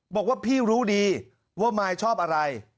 บอกว่าพี่รู้ดีว่ามายชอบอะไร